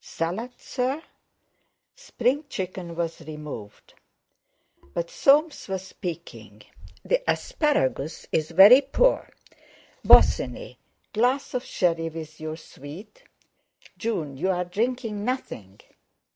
"Salad, sir?" Spring chicken was removed. But Soames was speaking: "The asparagus is very poor. Bosinney, glass of sherry with your sweet? June, you're drinking nothing!"